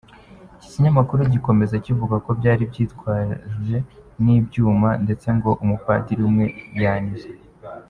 Iki kinyamakuru gikomeza kivuga ko byari byitwaje n’ibyuma, ndetse ngo umupadiri umwe yanizwe.